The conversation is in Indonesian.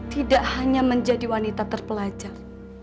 tidak hanya menjadi wanita terpelajar